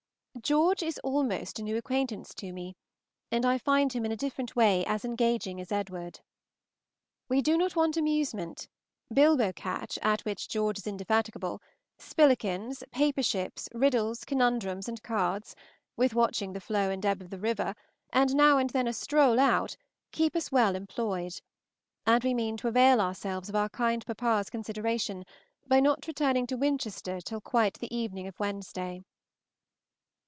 George is almost a new acquaintance to me, and I find him in a different way as engaging as Edward. We do not want amusement: bilbocatch, at which George is indefatigable, spillikins, paper ships, riddles, conundrums, and cards, with watching the flow and ebb of the river, and now and then a stroll out, keep us well employed; and we mean to avail ourselves of our kind papa's consideration, by not returning to Winchester till quite the evening of Wednesday.